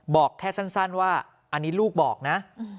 บอกแค่สั้นว่าอันนี้ลูกบอกนะ